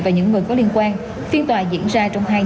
và những người có liên quan phiên tòa diễn ra trong hai ngày